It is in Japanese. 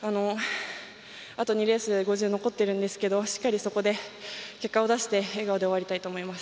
あと２レース、５０が残っているんですけどしっかりそこで結果を出して笑顔で終わりたいと思います。